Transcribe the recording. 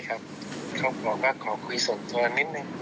เขาบอกว่าขอคุยส่วนตัวนิดนึง